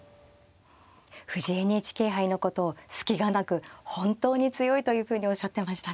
藤井ＮＨＫ杯のことを隙がなく本当に強いというふうにおっしゃってましたね。